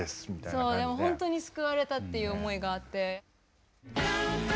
そうでも本当に救われたっていう思いがあって。